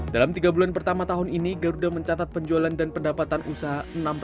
dalam tiga bulan pertama tahun ini garuda mencatat penjualan dan pendapatan usaha